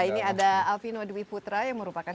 ini ada alvin wadwi putra yang merupakan